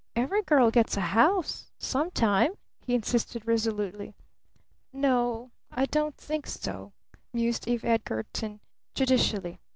"Every girl gets a house some time!" he insisted resolutely. "N o, I don't think so," mused Eve Edgarton judicially.